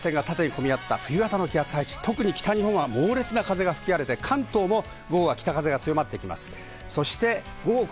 冬型の気圧配置、北日本は猛烈な風が吹き荒れて関東も北風が強まってきます。